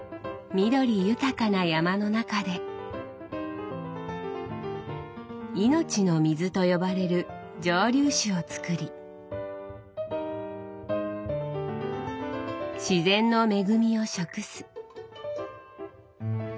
緑豊かな山の中で「命の水」と呼ばれる蒸留酒をつくり「自然の恵み」を食す。